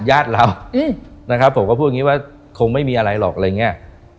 ญาติเรานะครับผมก็พูดงี้ว่าเขาไม่มีอะไรหรอกอะไรเงี้ย